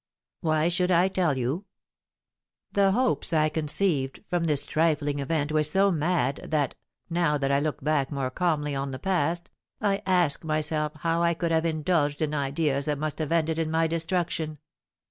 Why should I tell you? The hopes I conceived from this trifling event were so mad that, now that I look back more calmly on the past, I ask myself how I could have indulged in ideas that must have ended in my destruction.